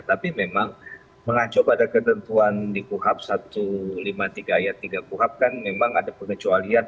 tapi memang mengacu pada ketentuan di kuhap satu ratus lima puluh tiga ayat tiga kuhap kan memang ada pengecualian